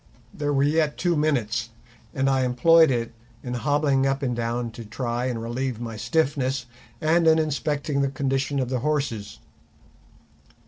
There were yet two minutes, and I employed it in hobbling up and down to try and relieve my stiffness, and in inspecting the condition of the horses.